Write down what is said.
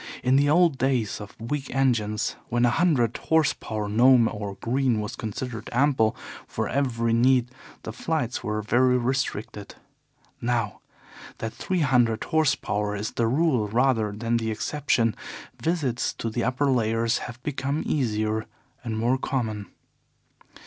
In the old days of weak engines, when a hundred horse power Gnome or Green was considered ample for every need, the flights were very restricted. Now that three hundred horse power is the rule rather than the exception, visits to the upper layers have become easier and more common.